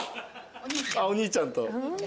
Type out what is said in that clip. お兄ちゃんと。